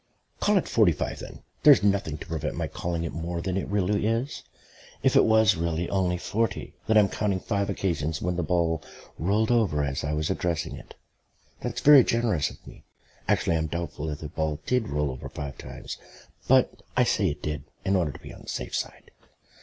"Call it forty five then. There's nothing to prevent my calling it more than it really is. If it was really only forty, then I'm counting five occasions when the ball rolled over as I was addressing it. That's very generous of me. Actually I'm doubtful if the ball did roll over five times, but I say it did in order to be on the safe side."